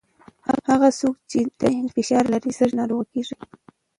هغه څوک چې ذهني فشار لري، ژر ناروغه کېږي.